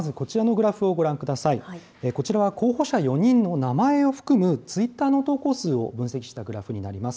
こちらは、候補者４人の名前を含むツイッターの投稿数を分析したグラフになります。